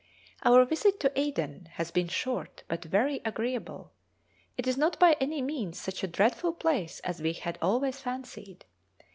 Our visit to Aden has been short but very agreeable; it is not by any means such a dreadful place as we had always fancied.